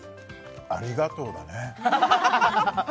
ありがとうだねハハハ